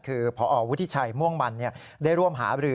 คือพอวุฒิชัยม่วงมันได้ร่วมหาบรือ